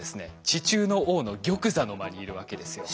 地中の王の玉座の間にいるわけですよ。